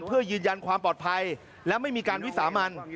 เพื่อยืนยันความปลอดภัยและไม่มีการวิสามัน